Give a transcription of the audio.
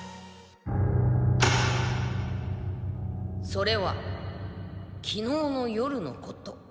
それはきのうの夜のこと。